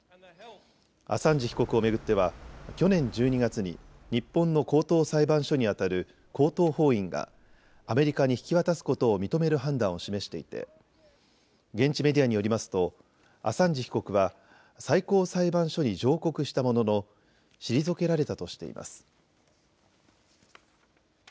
アサンジ被告を巡っては去年１２月に日本の高等裁判所にあたる高等法院がアメリカに引き渡すことを認める判断を示していて現地メディアによりますとアサンジ被告は最高裁判所に上告したものの退けられたとしています。